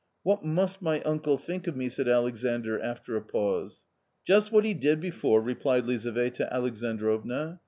" What must my uncle think of me ?" said Alexandr after a pause. " Just what he did before," replied Lizaveta Alexandrovna.